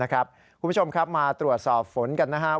คุณผู้ชมครับมาตรวจสอบฝนกันนะครับ